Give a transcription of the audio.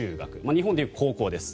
日本でいう高校です。